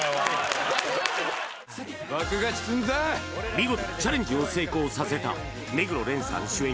見事チャレンジを成功させた目黒蓮さん主演